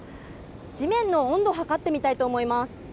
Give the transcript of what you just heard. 地面の温度、測ってみたいと思います。